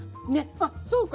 あっそうか！